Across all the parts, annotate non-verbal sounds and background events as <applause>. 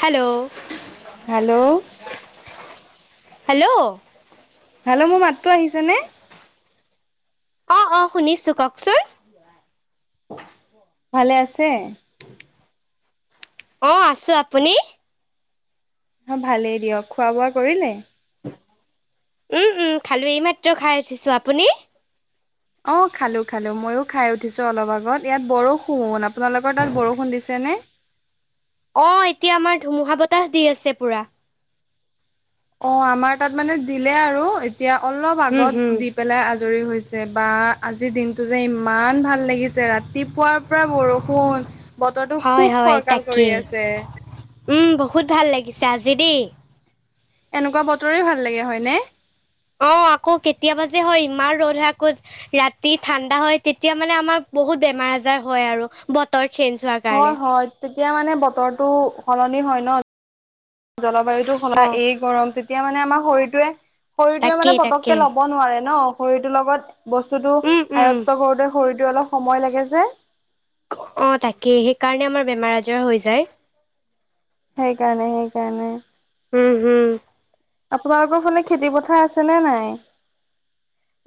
Hello? Hello? Hello? Hello? মোৰ মাতো আহিছে নে? অ', অ', শুনিছোঁ কওকচোন। ভালে আছে? অ', আছোঁ। আপুনি? অ', ভালেই দিয়ক। খোৱা বোৱা কৰিলে? উম-উম খালোঁ, এই মাত্ৰ খাই উঠিছোঁ। আপুনি? অ', খালোঁ-খালোঁ ময়ো খাই উঠিছোঁ অলপ আগত। ইয়াত বৰষুণ আপোনালোকৰ তাত বৰষুণ দিছেনে? অ', এতিয়া আমাৰ ধুমুহা বতাহ দি আছে পুৰা। অ', আমাৰ তাত মানে দিলে আৰু এতিয়া অলপ উম হুম আগত দি পেলাই আজৰি হৈছে বা আজিৰ দিনটো যে ইমান ভাল লাগিছে ৰাতিপুৱাৰ পোৰা বৰষুণ, বতৰটো হয় খুব হয় ফৰকাল কৰি তাকেই আছে। উম বহুত ভাল লাগিছে আজি দেই। এনেকুৱা বতৰেই ভাল লাগে হয়নে? অ আকৌ কেতিয়াবা যে হয় ইমান ৰ'দে হয় আকৌ ৰাতি ঠাণ্ডা হয় তেতিয়া মানে আমাৰ বহুত বেমাৰ-আজাৰ হয় আৰু বতৰ চেঞ্জ। হোৱাৰ কাৰণে হয় হয়, তেতিয়া মানে বতৰটো সলনি হয় ন। জলবায়ুটো সলায় অঁ এই গৰম তেতিয়া মানে আমাৰ শৰীৰটোৱে। শৰীৰটোৱে মানে তাকেই পতককে তাকে ল'ব নোৱাৰে ন শৰীৰটোৰ লগত বস্তুটো উম উম আয়ত্ত কৰোতে শৰাৰটোৰ অলপ সময় লাগে যে। অ তাকেই সেইকাৰণে আমাৰ বেমাৰ আজাৰ হৈ যায়। সেইকাৰণে সেইকাৰণে। উম, হুম। আপোনালোকৰ ফালে খেতিপথাৰ আছেনে নাই?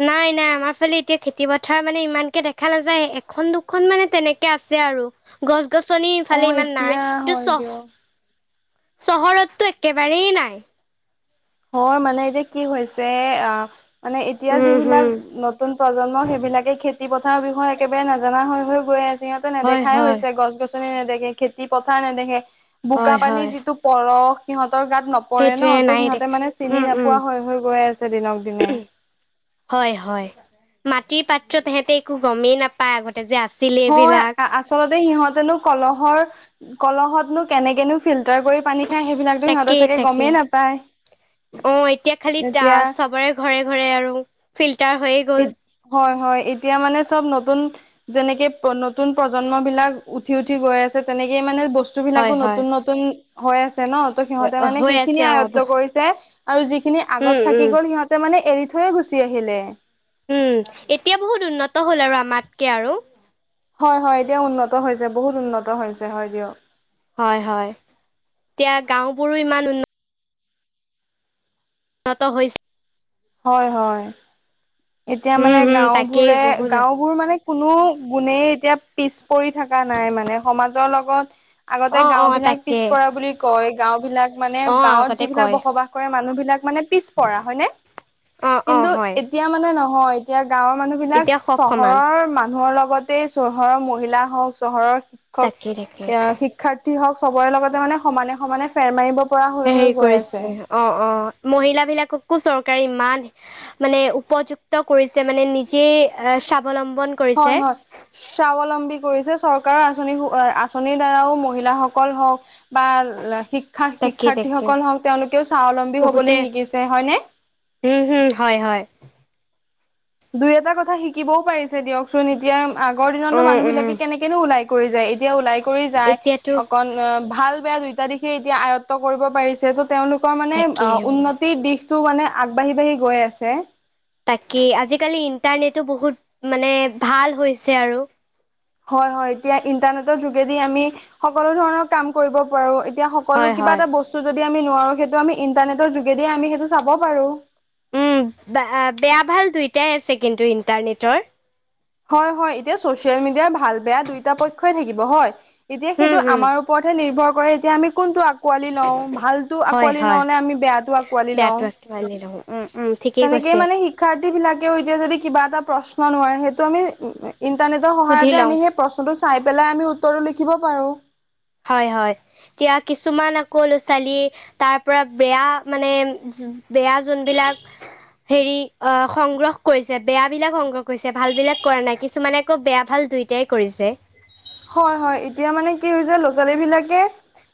নাই নাই আমাৰ ফালে এতিয়া খেতি পথাৰ মানে ইমানকে দেখা নাযায় এখন দুখন মানে তেনেকে আছে আৰু। গছ-গছনি অ ইফালে ইমান নাই এতিয়া কিন্তু হয় চহ দিয়ক চহৰতটো একেবাৰেই নাই। হয় মানে এতিয়া কি হৈছে, আহ, মানে এতিয়া উম যিবিলাক হম নতু নতুন প্ৰজন্ম সেইবিলাকে খেতি পথাৰৰ বিষয়ে একেবাৰে নাজানা হৈ হৈ গৈ আছে। সিহঁতে হয় নেদেখাই হয় হৈছে, গছ-গছনি নেদেখে খেতি পথাৰ নেদেখে, বোকা হয় পানীৰ হয় যিটো পৰস সিহঁতৰ গাত নপৰে ন সেইটোৱে ত' নাই সিহঁতে তে দেখা মানে চিনি উম উম নোপোৱা হৈ হৈ গৈ আছে দিনক দিনে। হয় হয়, মাটিৰ পাত্ৰত হেঁতে একো গমেই নাপায় আগতে যে আছিল হয় এইবিলাক। আচলতে সিহঁতেনো কলহৰ কলহতনো কেনেকেনো ফিল্টাৰ কৰি পানী খায় সেইবিলাক তাকেই তাকে, অ এতিয়া খালি <unintelligible> এতিয়া চবৰে। ঘৰে ঘৰে আৰু ফিল্টাৰ হৈয়ে গ'ল হয় হয় এতিয়া মানে চব নতুন যেনেকে নতুন প্ৰজন্মবিলাক উঠি উঠি গৈ আছে তেনেকে মানে বস্তু বস্তুবিলাকো হয় হয় নতুন নতুন হৈ আছে ন, ত' সিহঁতে মানে হৈ সেইখিনি আছে অ আয়ত্ব কৰিছে। তে আৰু যিখিনি আগত উম থাকি উম গ'ল সিহঁতে মানে এৰি থৈয়ে গুচি আহিলে। উম, এতিয়া বহুত উন্নত হ'ল আৰু আমাতকে আৰু। হয় হয় এতিয়া উন্নত হৈছে বহুত উন্নত হৈছে হয় দিয়ক। হয় হয় এতিয়া গাঁওবোৰো ইমান উন্নত। উন্নত হৈছে। হয় হয়, এতিয়া উম, মানে হুম, তাকেই গাঁওবোৰে বহুত গাওবোৰ মানে কোনো গুণেই এতিয়া পিছ পৰি থকা নাই মানে সমাজৰ লগত আগতে অ', অ', গাঁওবিলাক তাকে। পিছপৰা বুলি কয় গাঁওবিলাক মানে অ', গাঁৱত আগতে যিবিলাক কয়। বসবাস কৰে মানুহবিলাক মানে পিছ পৰা হয়নে? অঁ অঁ কিন্তু হয়। এতিয়া মানে নহয়, এতিয়া গাঁৱৰ মানুহবিলাক এতিয়া সব সমান। চহৰৰ মানুহৰ লগত চহৰৰ মহিলা হওক চহৰৰ শিক্ষক, তাকে, তাকে। অ শি শিক্ষাৰ্থী হওক চবৰে লগতে মানে সমানে সমানে ফেৰ মাৰিব পৰা হৈ হৈ গৈ আছে। অঁ অঁ মহিলাবিলাককো চৰকাৰে ইমান মানে উপযুক্ত কৰিছে মানে নিজে স্বাৱলম্বন কৰিছে। হয় হয়। স্বাৱলম্বী কৰিছে চৰকাৰৰ আঁচনি আঁচনিৰ দ্বাৰাও মহিলাসকল হওক। বা তাকে, তাকে। শিক্ষা-শিক্ষাৰ্থীসকল হওঁক তেওঁলোকেও স্বাৱলম্বী বহুতে হবলৈ শিকিছে হয়নে? উম হুম হয় হয়। দুই এটা কথা শিকিবও পাৰিছে দিয়কচোন এতিয়া আগৰ দিনতনো উম, উম, মানুহবিলাকে কেনেকেনো ওলাই। কৰি যায় এতিয়া ওলাই কৰি যায় এতিয়াতো অকণ অ ভাল বেয়া দুয়ইটা দিশে এতিয়া আয়ত্ব কৰিব পাৰিছে। যিহেতু তেওঁলোকৰ মানে অ তাকেই উন্নতিৰ দিশটো মানে আগবাঢ়ি বাঢ়ি গৈ আছে। বাকী আজিকালি ইণ্টাৰনেটো বহুত মানে ভাল হৈছে আৰু। হয়, হয় এতিয়া ইন্টাৰনেটৰ যোগেদি আমি সকলো ধৰণৰ কাম কৰিব পাৰো এতিয়া- কলো হয় কিবা হয়। এটা বস্তু যদি আমি নোৱাৰো সেইটো আমি ইণ্টাৰনেটৰ যোগেদি আমি সেইটো চাব পাৰো। উম, বেয়া ভাল দুইটাই আছে কিন্তু ইণ্টাৰনেটৰ। হয় হয় এতিয়া চচিয়েল মিডিয়াৰ ভাল বেয়া দুইটা পক্ষই থাকিব হয়, এতিয়া হুম সেইটো হুম আমাৰ- ওপৰতহে নিৰ্ভৰ কৰে এতিয়া আমি কোনটো আ আকোঁৱালি লওঁ ভালটো আকোঁৱালি লওঁনে আমি বেয়াটো আকোঁৱালি লওঁ। উম-উম। তেনেকেই মানে শিক্ষাৰ্থী বিলাকেও এতিয়া যদি কিবা এটা প্ৰশ্ন নোৱাৰে সেইটো আমি উম এ- ইণ্টাৰনেটৰ সুধি সহায়তে লওঁ আমি সেই প্ৰশ্নটো চাই পেলাই আমি উত্তৰটো লিখিব পাৰোঁ। হয় হয় এতিয়া কিছুমান আকৌ ল'ৰা ছোৱালী- তাৰ পৰা বেয়া মানে বেয়া যোনবিলাক- হেৰী আ সংগ্ৰহ কৰিছে। বেয়া বিলাক সংগ্ৰহ কৰিছে ভাল বিলাক কৰা নাই। কিছুমানে আকৌ বেয়া ভাল দুই- টাই কৰিছে। হয় হয় এতিয়া মানে কি হৈছে ল'ৰা ছোৱালী বিলাকে-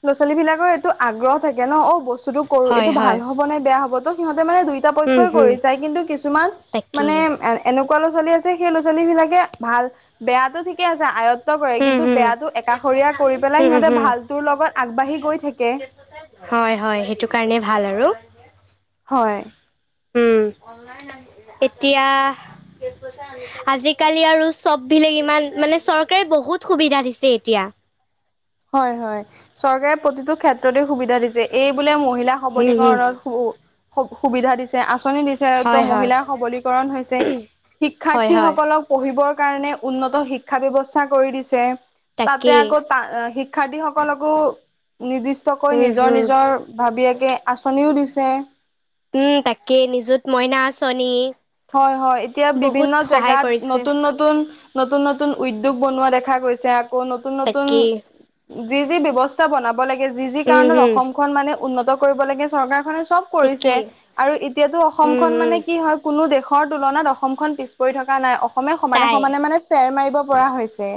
ল'ৰা ছোৱালী বিলাকৰ এইটো আগ্ৰহ থাকে ন অ বস্তুটো কৰোঁ হয় এইটো ভাল হয়। হ'ব নে বেয়া হ'ব ত' সিহঁতে মানে দুই- দুয়োটা উম পক্ষই হুম কৰি চাই কিন্তু কিছুমান তাকেই মানে এ এনেকুৱা ল'ৰা ছোৱালী আছে সেই ল'ৰা ছোৱালী বিলাকে ভাল, বেয়াটো ঠিকে আছে আয়ত্ব কৰে। উম কিন্তু হুম। বেয়াটো একাষৰীয়া কৰি পেলাই উম, সিহঁতে হুম, ভালটোৰ লগত আগবাঢ়ি গৈ থাকে। হয় হয় সেইটো কাৰণে ভাল আৰু। হয়। উম। অনলাইন আহিলে, এতিয়াহ আজিকালি আৰু চব বিলাগ ইমান মানে চৰকাৰে বহুত সুবিধা দিছে এতিয়া। হয় হয় চৰকাৰে প্ৰতিটো ক্ষেত্ৰতে সুবিধা দিছে। এই বোলে মহিলা হুম, হুম, সবলীকৰণত সু সু সুবিধা দিছে, আঁচনি দিছে। ছে ত' হয় হয়, মহিলাৰ সবলীকৰণ হৈছে। হয় হয়, শিক্ষাৰ্থীসকলক- পঢ়িবৰ কাৰণে উন্নত শিক্ষা ব্যৱস্থা কৰি দিছে। তাতে তাকেই। আকৌ তা শিক্ষাৰ্থীসকলকো নিৰ্দিষ্টকৈ উম, নিজৰ হুম, নিজৰ ভাবিয়েকে আঁচনিও দিছে। উম তাকে নিযুত মইনা আঁচনি। হয় হয় এতিয়া বহুত বিভিন্ন সহায় জেগাত কৰিছে। নতুন নতুন- নতুন, নতুন নতুন উদ্যোগ বনোৱা দেখা গৈছে, আকৌ নতুন নতুন- তাকেই, যি যি ব্যৱস্থা বনাব লাগে যি যি উম, কাৰণত হুম, অসমখন মানে উন্নত কৰিব লাগে চৰকাৰখনে চব- কৰিছে, তাকেই, আৰু এতিয়াতো উম, অসমখন উম, মানে কি হয়- কোনো দেশৰ তুলনাত অসমখন পিছ পৰি থকা নাই। অস অসমে সমানে তাই। সমানে মানে ফেৰ মাৰিব পৰা হৈছে।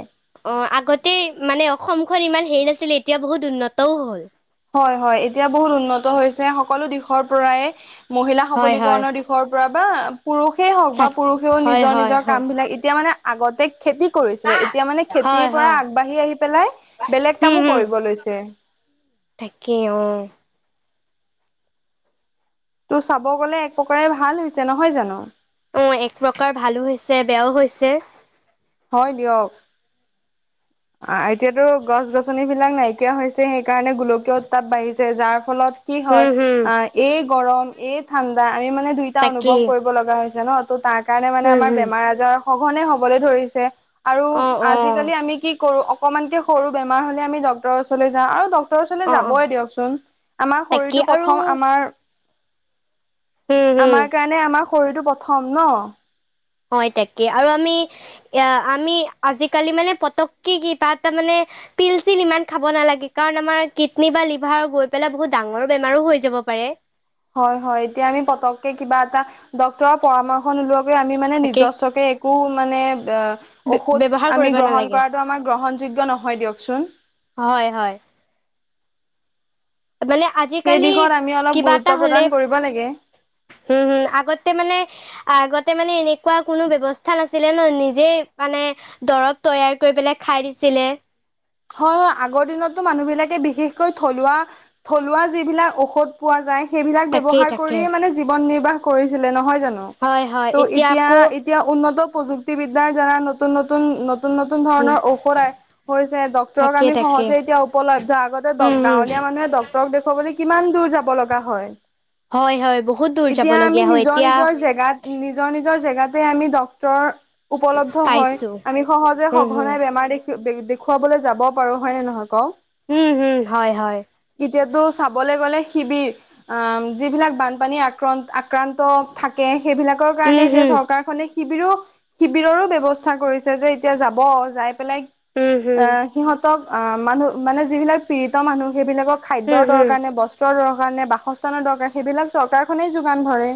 অ আগতে মানে অসমখন ইমান হেৰী নাছিলে এতিয়া বহুত উন্নতও হ'ল। হয় হয় এতিয়া বহুত উন্নত হৈছে। সকলো দিশৰ পৰাই মহিলা হয় হয়, সবলীকৰণৰ দিশ- দিশৰ পৰা বা পুৰুষেই হওঁক বা চাত পুৰুষেও হয় নিজৰ হয় নিজৰ হয়, কাম বিলাক এতিয়া মানে আগতে- খেতি কৰিছিলে এতিয়া মানে খেতিৰ হয় পৰা হয়। আগবাঢ়ি আহি পেলাই বেলেগ হুম কামো হুম কৰিব লৈছে। তাকে অঁ। তো চাব গ'লে এক প্ৰকাৰে ভাল হৈছে নহয় জানো। অঁ এক প্ৰকাৰ ভালো হৈছে বেয়াও হৈছে। হয় দিয়ক। আহ এতিয়াটো গছ গছনি বিলাক নাইকিয়া হৈছে সেইকাৰণে গোলকীয় উত্তাপ বাঢ়িছে, যাৰ ফলত- কি হয় হুম হুম আ এই গৰম এই ঠাণ্ডা আমি মানে দুইটা অনুভৱ তাকেই কৰিব লগা হৈছে ন। ত' তাৰ কাৰণে মানে হুম আমাৰ হুম বেমাৰ আজাৰ সঘনে হ'বলৈ ধৰিছে, আৰু অ অ আজিকালি আমি- কৰোঁ অকমানকে সৰু বেমাৰ হ'লে আমি ডক্তৰৰ ওচৰলৈ যাওঁ আৰু ড ডক্তৰৰ ওচৰলে অ অ যাবই দিয়কচোন আমাৰ তাকে শৰীৰটো আৰু প্ৰথম আমাৰ- হুম হুম আমাৰ কাৰণে আমাৰ শৰীৰটো প্ৰথম ন। হয় তাকে, আৰু আমি এ আমি আজিকালি মানে পতকে কিবা এটা মানে- পিল চিল ইমান খাব নালাগে কাৰণ আমাৰ কিডনী বা লিভাৰত গৈ পেলাই বহুত ডাঙৰ বেমাৰো হৈ যাব পাৰে। হয় হয় এতিয়া আমি পতককে কিবা এটা ডক্তৰৰ পৰামৰ্শ নোলোৱাকৈ আমি মানে তাকে নিজস্বকে এক- একো মানে অ ব্যৱহাৰ ঔষধ কৰিব আমি গ্ৰহণ নালাগে কৰাটো আমাৰ গ্ৰহণযোগ্য নহয় দিয়কচোন। হয় হয়। মানে সেই আজিকালি দিশত আমি অলপ কিবা গুৰুত্ব এটা হ'লে প্ৰদান কৰিব লাগে হোম হোম আগতে মানে আগতে মানে এনেকুৱা কোনো ব্যৱস্থা নাছিলে ন, নিজে মানে দৰব তৈয়াৰ কৰি পেলাই খাই দিছিলে। হয় হয় আগৰ দিনততো মানুহবিলাকে বিশেষকৈ থলুৱা, থলুৱা যিবিলাক ঔষধ পোৱা যায় সেইবিলাক তাকেই ব্যৱহাৰ তাকে কৰিয়ে মানে জীৱন নিৰ্বাহ কৰিছিলে নহয় জানো, হয় হয় ত এতিয়া আকৌ এতিয়া উন্নত প্ৰযুক্তি বিদ্যাৰ দ্বাৰা নতুন, নতুন, নতুন, নতুন উম ধৰণৰ ঔষধ ডক্তৰৰ তাকে আমি তাকে সহজে এতিয়া উপলব্ধ, আগতে উম হম গাঁৱলীয়া মানুহে ডক্তৰক দেখুৱাবলৈ কিমান দূৰ যাব লগা হয়। হয় হয় বহুত দূৰ এতিয়া আমি যাবলগীয়া হয় নিজৰ এতিয়া নিজৰ জেগাত নিজৰ নিজৰ জেগাতে আমি ডক্তৰ উপলব্ধ হয়, পাইছো আমি সহজে উম হম সঘনাই বেমাৰ দেখ দেখ খুৱাবলৈ যাব পাৰো হয় নে নহয় ক? উম উম হয় হয়। এতিয়াতো চাবলৈ গ'লে শিবিৰ, আ যিবিলাক বানপানী আক্ৰান আক্ৰান্ত থাকে সেইবিলাক কাৰণে উম এতিয়া হম চৰকাৰখনে শিবিৰো শিবিৰৰো ব্যৱস্থা কৰিছে, যে এতিয়া যাব যাই পেলাই, উম হম আহ সিহঁতক অহ মানুহ মানে যিবিলাক পীড়িত মানুহ, সেইবিলাকক উম খাদ্যৰ হম দৰকাৰণে বস্তু দৰকাৰ নে বাসস্থানৰ দৰকাৰ, সেইবিলাক চৰকাৰখনেই যোগান ধৰে।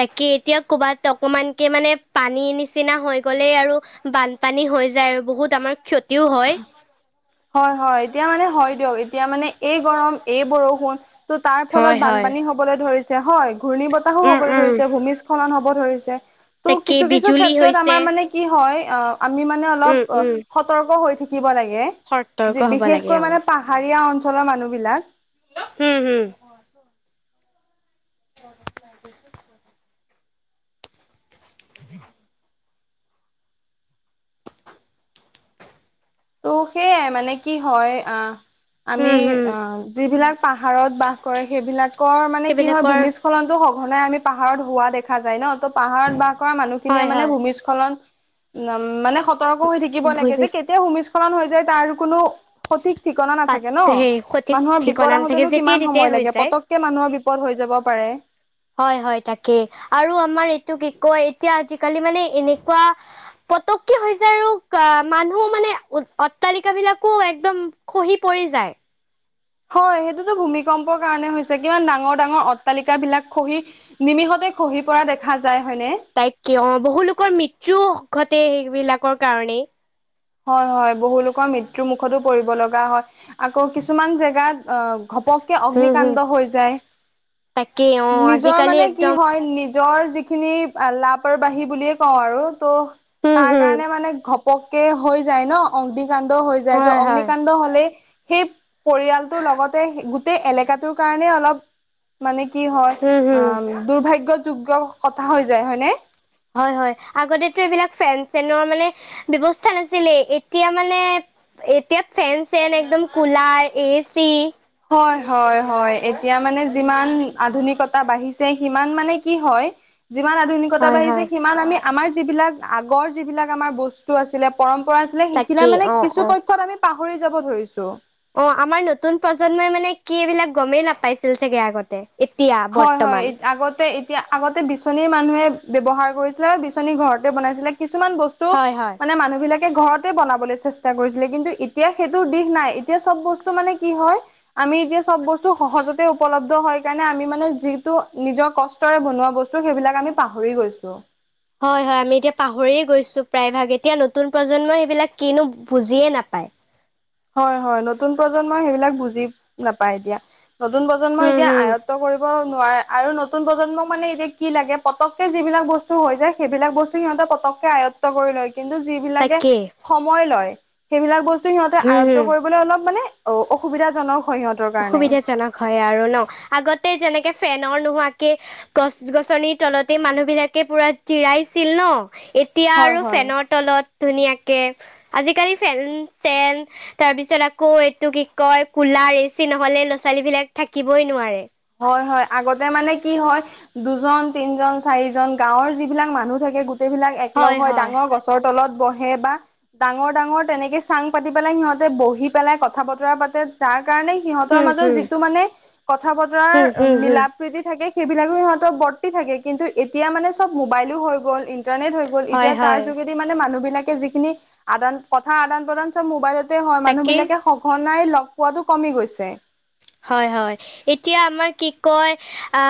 তাকে এতিয়া কৰ'বাত অকমানকে মানে পানীৰ নিচিনা হৈ গ'লেই আৰু বান পানী হৈ যায়, আৰু বহুত আমাৰ ক্ষতি <inaudible> হয় হয়, এতিয়া মানে হয় দিয়ক, এতিয়া মানে এই গৰম এই বৰষুণ। ত' তাৰ হয় ফলত হয় বানপানী হ'ব। হ'বলৈ ধৰিছে, হয় ঘূৰ্ণী বতাহো উম হ'বলৈ উম ধৰিছে, ভূমিস্খলন হ'ব ধৰিছে। টো' তাকে কিছু কিছু বিজুলী ক্ষেত্ৰত হৈছে। আমাৰ মানে কি হয় আমি মানে উম, অলপ উম। সতৰ্ক হৈ থাকিব লাগে। সতৰ্ক হ'ব লাগে বিশেষকৈ অ'। মানে পাহাৰীয়া অঞ্চলৰ মানুহ বিলাক। হম' হুম। চ একলাই আ যাবছথ <unintelligible> ত' সেয়াই মানে কি হয়, আ আমি হুম, হুম। অ' যিবিলাক, পাহাৰত বাস কৰে সেইবিলাকৰ মানে কি হয় সেইবিলাকৰ ভূমি স্খলনতো সঘনাই আমি পাহাৰত হোৱা দেখা যায় ন, ত' পাহাৰত বাস কৰা মানুহ খিনিয়ে হয়, মানে হয়। ভূমিস্খলন উম মানে সতৰ্ক হৈ থাকিব লাগে, যে ভূমিচ কেতিয়া ভূমিস্খ স্খলন হৈ যায় তাৰ কোনো, সঠিক ঠিকনা পাত নাথাকে ন, হেৰি সঠিক মানুহৰ ঠিকনা বিপদ নাথাকে আহোতেনো যেতিয়াই কিমান তেতিয়াই সময় হৈ লাগে, যায়। পতক কে মানুহৰ বিপদ হৈ যাব পাৰে। হয় হয় তাকে, আৰু আমাৰ এইটো কি কয় এতিয়া আজিকালি মানে এনেকুৱা, পতকে হৈ যায় আৰু আহ মানুহ মানে অট্টালিকা বিলাকো একদম খহি পৰি যায়। হয় সেইটোতো ভূমিকম্পৰ কাৰণে হৈছে, কিমান ডাঙৰ ডাঙৰ অট্টালিকা বিলাক খহি, নিমিষতে খহি পৰা দেখা যায় হয়নে। তাইক কিয় অহ বহুলোকৰ মৃত্যুও ঘটে সেইবিলাকৰ কাৰণেই। হয়-হয় বহুলোকৰ মৃত্যু মুখতো পৰিব লগা হয়, আকৌ কিছুমান জেগাত অ' ঘপককে হুম, হুম। অগ্নিকাণ্ড হৈ যায়, তাকেই অ' নিজৰ আজিকালি মানে কি একদম হয় নি নিজৰ যিখিনি লাপৰবাহী বুলিয়ে কওঁ আৰু ত' হুম, তাৰ হুম। কাৰণে মানে ঘপক সেই হৈ যায় ন' অগ্নিকাণ্ড হৈ যায়, ত' হয় হয় অগ্নিকাণ্ড হ'লেই সেই পৰিয়ালটোৰ লগতে গোটেই এলেকাটোৰ কাৰণে অলপ মানে কি হয় উম হম অ' দুৰ্ভাগ্যযোগ্য কথা হৈ যায় হয়নে? হয়-হয় আগতেটো এইবিলাক ফেন চেনৰ মানে ব্যৱস্থা নাছিলে, এতিয়া মানে এতিয়া ফেন চেন একদম কুলাৰ এচি হয়-হয়-হয় এতিয়া মানে যিমান আধুনিকতা বাঢ়িছে সিমান মানে কি হয় যিমান আধুনিকতা হয় বাঢ়িছে হয় সিমান আমি আমাৰ যিবিলাক আগৰ যিবিলাক আমাৰ বস্তু বস্তু আছিলে পৰম্পৰা আছিলে সেইকেইটা তাকেই মানে অ কিছু অ পক্ষত আমি পাহৰি যাব ধৰিছোঁ। অ' আমাৰ নতুন প্ৰজন্মই মানে কি এইবিলাক গমেই নাপাইছিল চাগে আগতে। এতিয়া হয়-হয় বৰ্তমান আগতে এতিয়া আগতে বিচনীৰ মানুহে ব্যৱহাৰ কৰিছিলে বিচনী ঘৰতে বনাইছিলে কিছুমান বস্তু বস্তুক হয় হয় মানে মানুহ বিলাক ঘৰতে বনাবলৈ চেষ্টা কৰিছিলে কিন্তু এতিয়া সেইটোৰ দিশ নাই এতিয়া চব বস্তু মানে কি হয় আমি এতিয়া চব বস্তু সহজতে উপলব্ধ হয় কাৰণে আমি মানে যিটো নিজৰ কষ্টৰে বনোৱা বস্তু সেইবিলাক আমি পাহৰি গৈছোঁ। হয়-হয় আমি এতিয়া পাহৰিয়ে গৈছোঁ প্ৰায়ভাগ এতিয়া নতুন প্ৰজন্মই সেইবিলাক কিনো বুজিয়ে নাপায়। হয়-হয় নতুন প্ৰজন্মই সেইবিলাক বুজি নাপায় এতিয়া। নতুন প্ৰজন্মই হম এতিয়া হম আয়ত্ব কৰিব নোৱাৰে আৰু নতুন প্ৰজন্মই মানে এতিয়া কি লাগে পটককৈ যিবিলাক বস্তু হৈ যায় সেইবিলাক বস্তু সিহঁত পককৈ আয়ত্ব আয়ত্ব কৰি লয় কিন্তু যিবিলাকে তাকেই সময় লয় সেইবিলাক বস্তু সিহঁতে হম আয়ত্ব হম কৰিব অলপ মানে অ' অসুবিধাজনক হয় সিহঁত অসুবিধাজনক হয় আৰু ন' আগতে যেনেকে ফেনৰ নোহোৱাকে গছ-গছনিৰ তলতে মানুহ বিলাকে পুৰা জিৰাইছিল ন' এতিয়া হয় আৰু হয় ফেনত তলত ধুনীয়াকে আজিকালি ফেন চেন তাৰপিছত আকৌ এইটো কি কয় কুলাৰ এ এচি নহ'লে ল'ৰা-ছোৱালীবিলাক থাকিবই নোৱাৰে। হয়-হয় আগতে মানে কি হয় দুজন, তিনিজন, চাৰিজন গাঁৱৰ যিবিলাক মানুহ থাকে গোটেই বিলাক একলগ হয় হৈ হয় ডাঙৰ গছৰ গছৰ তলত বহে বা ডাঙৰ ডাঙৰ তেনেকে চাং পাতি পেলাই সিহঁতে বহি পেলাই কথা বতৰা পাতে যাৰ কাৰণে সিহঁতৰ হম মাজৰ হম যিটো মানে কথা বতৰাৰ হম মিলাপ হম হম মিলাপ্ৰীতি থাকে সেইবিলাকো সিহঁতৰ বৰ্তি থাকে কিন্তু এতিয়া মানে চব মোবাইলো হৈ গ'ল, ইণ্টাৰনেট হৈ গ'ল হৈ গ'ল হয় এতিয়া তাৰ হয় যোগেদি মানে মানুহ বিলাকে যিখিনি আদান কথা আদান প্ৰদান চব মোবাইলতে হয় মানুহ তাকেই বিলাকে সঘনাই লগ পোৱাটো কমি গৈছে। হয়-হয় এতিয়া আমাৰ কি কয় আ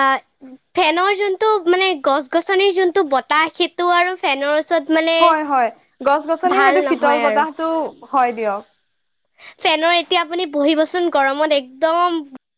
ফেনৰ যোনটো মানে গছ-গছনিৰ যোনটো বতাহ শীত ফেনৰ ওচৰত মানে হয়-হয় গছ-গছনিৰ ভাল সেইটো নহয় শীতল আৰু বতাহটো হয় দিয়ক। ফেনৰ এতিয়া আপুনি বহিবচোন গৰমত একদম